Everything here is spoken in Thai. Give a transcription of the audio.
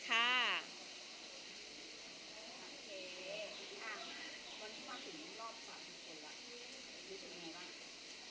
โอเคอ่าตอนที่มาถึงรอบสามกันคนล่ะรู้สึกยังไงบ้าง